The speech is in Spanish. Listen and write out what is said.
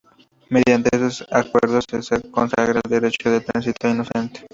Mediante estos acuerdos se consagra el derecho al tránsito inocente.